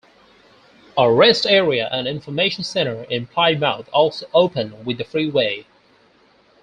A rest area and information center in Plymouth also opened with the freeway.